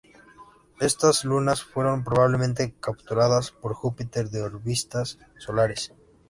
Estas lunas fueron probablemente capturadas por Júpiter de órbitas solares.